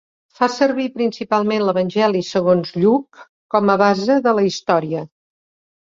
Fa servir principalment l'Evangeli segons Lluc com a base de la història.